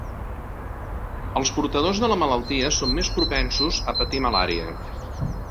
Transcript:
Els portadors de la malaltia són més propensos a patir malària.